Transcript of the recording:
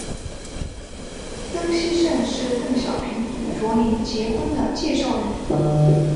曾希圣是邓小平与卓琳结婚的介绍人。